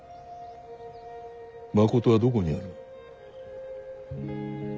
まことはどこにある？